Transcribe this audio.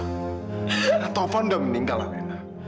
karena taufan udah meninggal alena